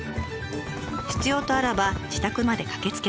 必要とあらば自宅まで駆けつけます。